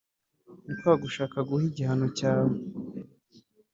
“Ni kwa gushaka guha igihangano cyawe